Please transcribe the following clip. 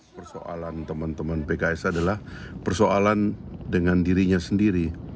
persoalan teman teman pks adalah persoalan dengan dirinya sendiri